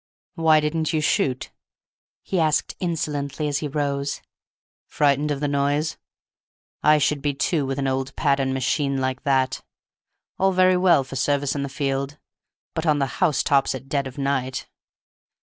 "Why didn't you shoot?" he asked insolently as he rose. "Frightened of the noise? I should be, too, with an old pattern machine like that. All very well for service in the field—but on the house tops at dead of night!"